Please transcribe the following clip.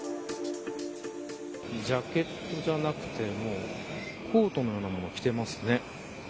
ジャケットじゃなくてコートのようなものを着てますね。